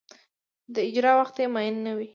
د اجرا وخت یې معین نه وي.